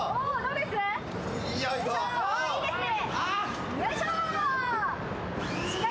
いいですね。